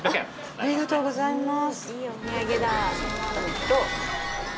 ありがとうございます。